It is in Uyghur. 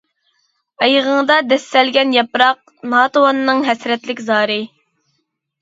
ئايىغىڭدا دەسسەلگەن ياپراق، ناتىۋاننىڭ ھەسرەتلىك زارى.